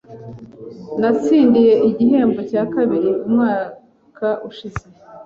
Natsindiye igihembo cya kabiri umwaka ushize.